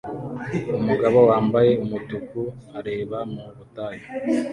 Umugabo wambaye umutuku areba mu butayu